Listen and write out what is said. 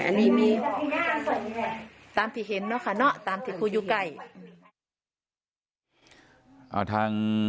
ตามที่เห็นเนอะค่ะเนอะตามที่พูดอยู่ใกล้